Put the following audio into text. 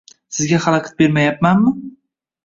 Sizga xalaqit bermayapmanmi?